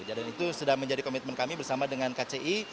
dan itu sudah menjadi komitmen kami bersama dengan kci